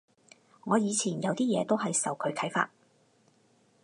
我以前有啲嘢都係受佢啓發